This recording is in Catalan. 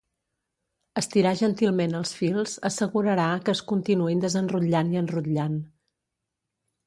Estirar gentilment els fils assegurarà que es continuïn desenrotllant i enrotllant.